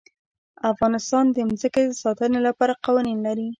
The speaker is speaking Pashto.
افغانستان د ځمکه د ساتنې لپاره قوانین لري.